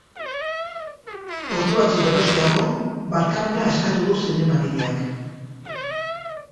Ordu batzuk geroxeago, barkamena eskatu du zinemagileak.